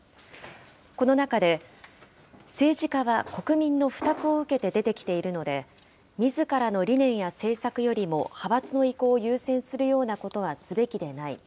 この中で、政治家は国民の負託を受けて出てきているので、みずからの理念や政策よりも派閥の意向を優先するようなことはすべきでない。